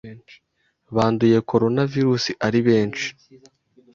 banduye coronavirus ari benshi